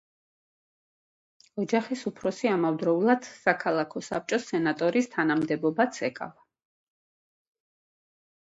ოჯახის უფროსი ამავდროულად საქალაქო საბჭოს სენატორის თანამდებობაც ეკავა.